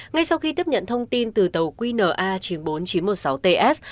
ngay sau khi tiếp nhận thông tin từ tàu qna chín mươi bốn nghìn chín trăm một mươi sáu ts